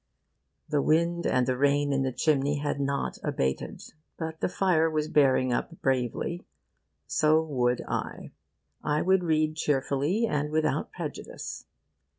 The wind and the rain in the chimney had not abated, but the fire was bearing up bravely. So would I. I would read cheerfully and without prejudice.